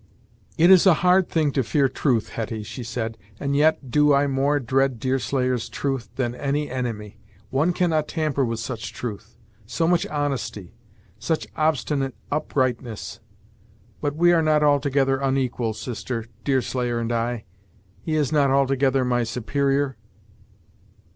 "It is a hard thing to fear truth, Hetty," she said, "and yet do I more dread Deerslayer's truth, than any enemy! One cannot tamper with such truth so much honesty such obstinate uprightness! But we are not altogether unequal, sister Deerslayer and I? He is not altogether my superior?"